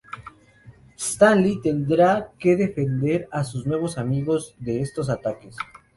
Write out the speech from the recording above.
Stanley tendrá que defender a sus nuevos amigos de estos ataques...